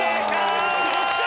よっしゃ！